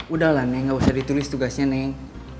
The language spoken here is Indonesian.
udah lah neng nggak usah ditulis tugasnya neng